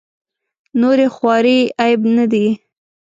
نورې خوارۍ عیب نه دي.